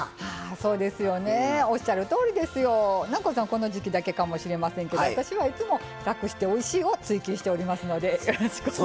この時期だけかもしれませんけど私はいつも楽しておいしいを追求しておりますのでよろしくお願い。